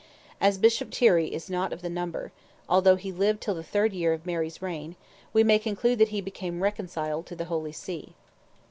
As Bishop Tirrey is not of the number—although he lived till the third year of Mary's reign—we may conclude that he became reconciled to the Holy See.